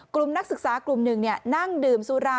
นักศึกษากลุ่มหนึ่งนั่งดื่มสุรา